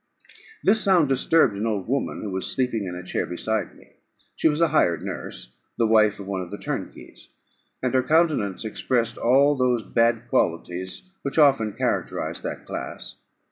This sound disturbed an old woman who was sleeping in a chair beside me. She was a hired nurse, the wife of one of the turnkeys, and her countenance expressed all those bad qualities which often characterise that class.